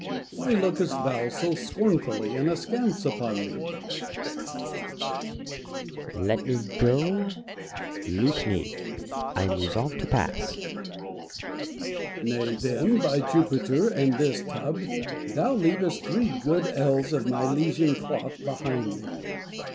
Why lookest thou so scornfully and askance upon me ? Plato. Let me go ! loose me ! I am resolved to pass. Diogenes. Nay, then, by Jupiter and this tub ! thou leavest three good ells of Milesian cloth behind thee.